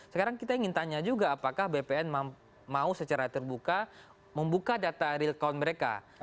sekarang kita ingin tanya juga apakah bpn mau secara terbuka membuka data real count mereka